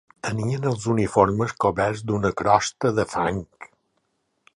Tenien els uniformes coberts d'una crosta de fang